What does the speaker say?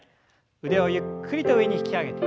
腕をゆっくりと上に引き上げて。